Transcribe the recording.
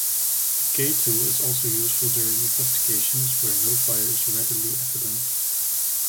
The K-tool is also useful during investigations where no fire is readily evident.